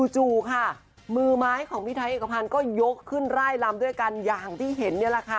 จู่ค่ะมือไม้ของพี่ไทยเอกพันธ์ก็ยกขึ้นไล่ลำด้วยกันอย่างที่เห็นนี่แหละค่ะ